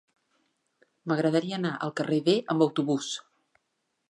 M'agradaria anar al carrer D amb autobús.